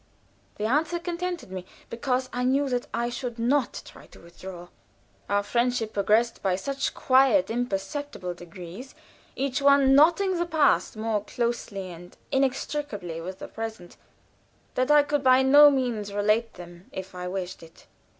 The answer contented me, because I knew that I should not try to withdraw. Our friendship progressed by such quiet, imperceptible degrees, each one knotting the past more closely and inextricably with the present, that I could by no means relate them if I wished it.